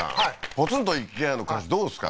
ポツンと一軒家の感じどうですか？